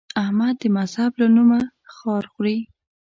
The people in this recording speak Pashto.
احمد د مذهب له نومه خار خوري.